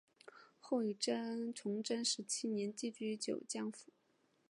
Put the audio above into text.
后于崇祯十七年寄居九江府。